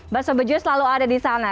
bakso bejo selalu ada di sana